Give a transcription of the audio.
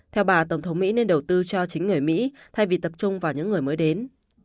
theo bà tổng thống mỹ nên đầu tư cho chính người mỹ thay vì tập trung vào những người mới đến